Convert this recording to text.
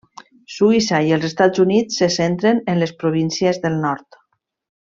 Suïssa i els Estats Units se centren en les províncies del nord.